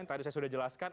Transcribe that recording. tadi saya sudah jelaskan